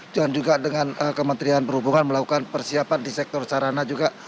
dan juga dengan kementerian perhubungan melakukan persiapan di sektor sarana juga